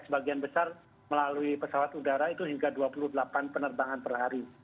sebagian besar melalui pesawat udara itu hingga dua puluh delapan penerbangan per hari